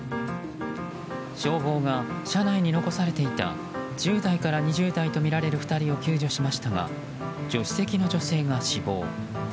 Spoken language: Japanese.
消防が車内に残されていた１０代から２０代とみられる２人を救助しましたが助手席の女性が死亡。